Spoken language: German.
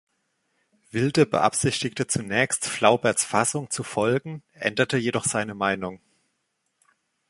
Wilde beabsichtigte zunächst, Flauberts Fassung zu folgen, änderte jedoch seine Meinung.